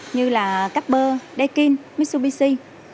như là capper dekin mitsubishi